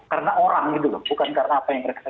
karena orang gitu loh bukan karena apa yang mereka